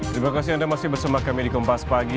terima kasih anda masih bersama kami di kompas pagi